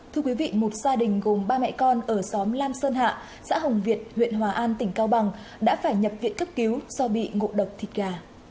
thưa quý vị một gia đình gồm ba mẹ con ở xóm lam sơn hạ xã hồng việt huyện hòa an tỉnh cao bằng đã phải nhập viện cấp cứu do bị ngộ độc thịt gà